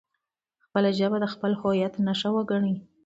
خپله ژبه د خپل هویت نښه وګڼئ.